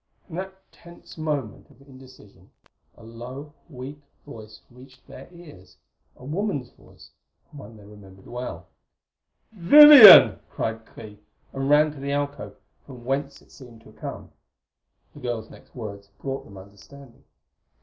In that tense moment of indecision a low, weak voice reached their ears a woman's voice, and one they remembered well. "Vivian!" cried Clee, and ran to the alcove, from whence it had seemed to come. The girl's next words brought them understanding.